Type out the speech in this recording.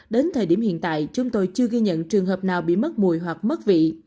đến thời điểm hiện tại chúng tôi chưa ghi nhận trường hợp nào bị mất mùi hoặc mất vị